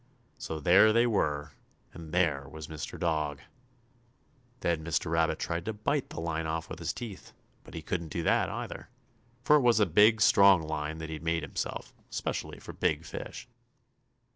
So there they were, and there was Mr. Dog! Then Mr. Rabbit tried to bite the line off with his teeth, but he couldn't do that, either, for it was a big, strong line that he'd made himself, 'specially for big fish.